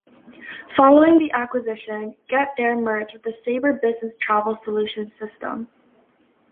Following the acquisition, GetThere merged with the Sabre Business Travel Solutions system.